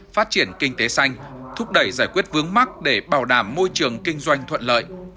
phát triển kinh tế xanh thúc đẩy giải quyết vướng mắc để bảo đảm môi trường kinh doanh thuận lợi